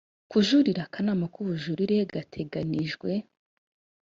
kujuririra akanama k ubujurire gateganijwe